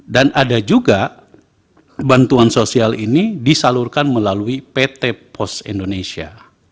dan ada juga bantuan sosial ini disalurkan melalui pt post indonesia